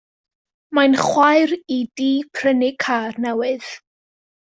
Mae'n chwaer i 'di prynu car newydd.